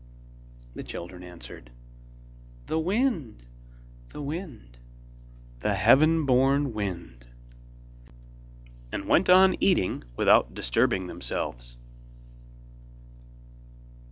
The children answered: 'The wind, the wind, The heaven born wind,' and went on eating without disturbing themselves.